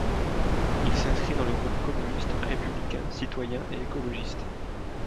Il s'inscrit dans le groupe communiste, républicain, citoyen et écologiste.